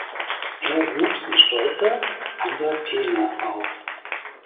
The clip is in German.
Er wuchs in Stolpe an der Peene auf.